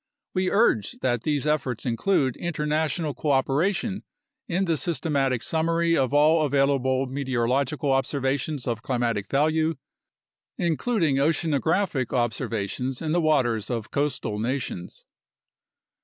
We urge that these efforts include international cooperation in the systematic summary of all available meteorological observations of climatic value, including oceanographic observations in the waters of coastal nations.